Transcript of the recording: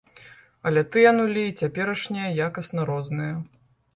Але тыя нулі і цяперашнія якасна розныя.